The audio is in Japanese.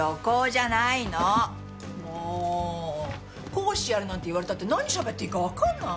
講師やれなんて言われたって何しゃべっていいかわかんない！